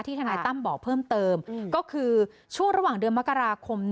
ทนายตั้มบอกเพิ่มเติมก็คือช่วงระหว่างเดือนมกราคม